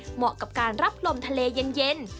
เหมาะกับการรับลมทะเลเย็น